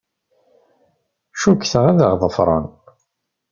Cukkteɣ ad aɣ-ḍefren.